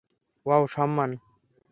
Wow, Samman.